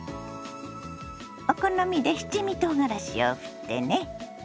お好みで七味とうがらしをふってね。